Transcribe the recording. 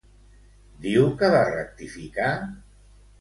Diu que va rectificar?